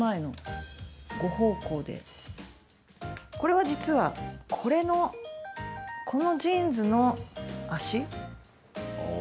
これは実はこのジーンズの脚